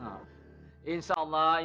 doakan saja bu hasan